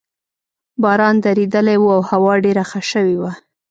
باران درېدلی وو او هوا ډېره ښه شوې وه.